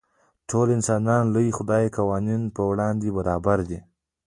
ټول انسانان د لوی خدای قوانینو په وړاندې برابر دي.